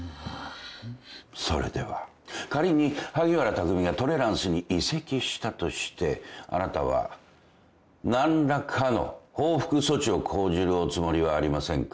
それでは仮に萩原匠がトレランスに移籍したとしてあなたは何らかの報復措置を講じるおつもりはありませんか？